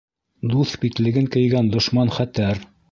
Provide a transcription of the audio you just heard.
Дуҫ битлеген кейгән дошман хәтәр.